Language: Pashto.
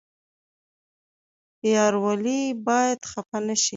یار ولې باید خفه نشي؟